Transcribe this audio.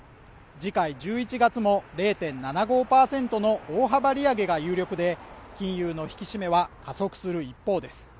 次回１１月も０．７５％の大幅利上げが有力で金融の引き締めは加速する一方です